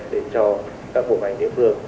để cho các bộ ngành địa phương